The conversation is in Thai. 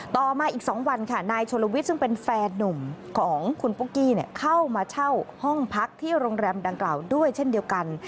ต่อมาอีก๒วันค่ะนายชลวิทย์ซึ่งเป็นแฟนนุ่มของคุณปุ๊กกี้เข้ามาเช่าห้องพักที่โรงแรมดังกล่าวด้วยเช่นเดียวกัน